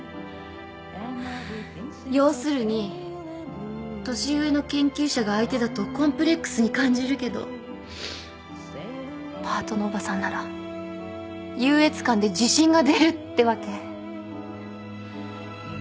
要するに年上の研究者が相手だとコンプレックスに感じるけどパートのおばさんなら優越感で自信が出るってわけ？